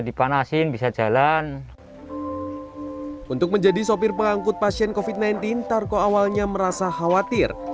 dipanasin bisa jalan untuk menjadi sopir pengangkut pasien kofit sembilan belas tarko awalnya merasa khawatir